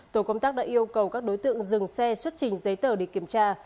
tổ công tác đã yêu cầu các đối tượng dừng xe xuất trình giấy tờ để kiểm tra